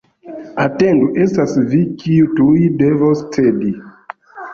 Atendu, estas vi, kiu tuj devos cedi!